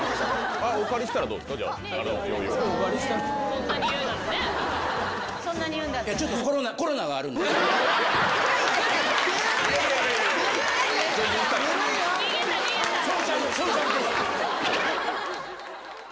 お借りしたらどうですか？